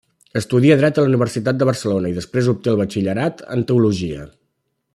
Estudia Dret a la Universitat de Barcelona i després obté el batxillerat en teologia.